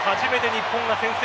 日本先制。